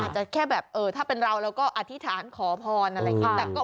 จะแค่แบบถ้าเป็นเราเราก็อธิษฐานขอพรอะไรอย่างนี้